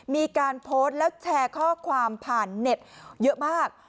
มีการโพสต์แล้วแชร์ข้อความผ่านเน็ตเยอะมาก